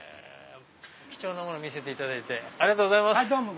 貴重なもの見せていただいてありがとうございます。